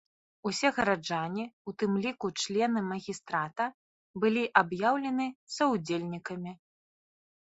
Усе гараджане, у тым ліку члены магістрата былі аб'яўлены саўдзельнікамі.